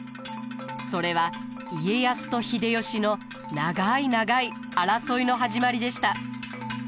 それは家康と秀吉の長い長い争いの始まりでした。